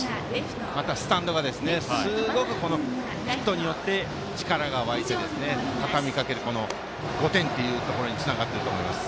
また、スタンドがヒットによって力がわいて、たたみかける５点というところにつながってると思います。